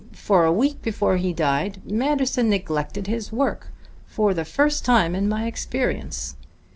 For a week before he died Manderson neglected his work, for the first time in my experience.